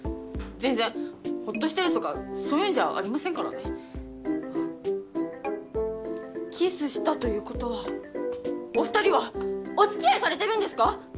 全然ホッとしてるとかそういうんじゃありませんからねキスしたということはお二人はおつきあいされてるんですか？